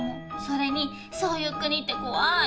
それにそういう国って怖い。